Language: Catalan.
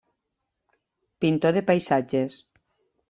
Pintor de paisatges.